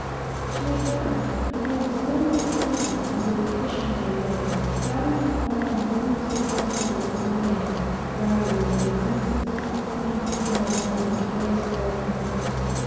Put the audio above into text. She had turned and they were steadily ascending as if pushing their way, battling on through some obstacle of the mind rather than of the senses beneath the star powdered callous vault of night.